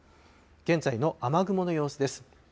現在の雨雲の様子です。